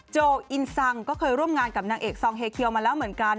โออินซังก็เคยร่วมงานกับนางเอกซองเฮเคียวมาแล้วเหมือนกัน